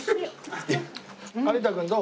有田君どう？